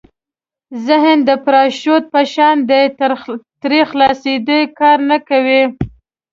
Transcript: ذهن د پراشوټ په شان دی تر خلاصېدو کار نه کوي.